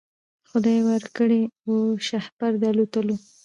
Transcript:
خدای ورکړی وو شهپر د الوتلو